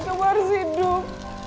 kamu harus hidup